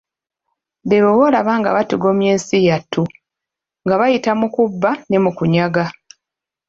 Beebo bolaba nga batigomya ensi yattu, nga bayita mu kubba ne mu kunyaga.